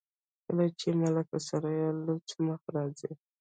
کله چې ملکه ثریا لوڅ مخ راځي.